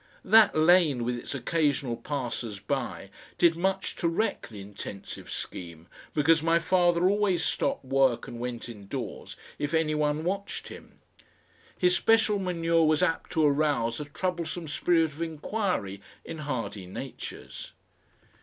That lane with its occasional passers by did much to wreck the intensive scheme, because my father always stopped work and went indoors if any one watched him. His special manure was apt to arouse a troublesome spirit of inquiry in hardy natures.